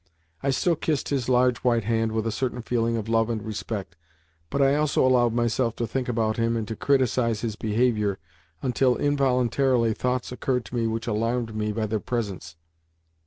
I still kissed his large white hand with a certain feeling of love and respect, but I also allowed myself to think about him and to criticise his behaviour until involuntarily thoughts occurred to me which alarmed me by their presence.